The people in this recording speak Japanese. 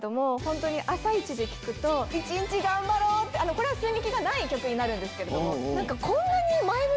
これは寸劇がない曲になるんですけど。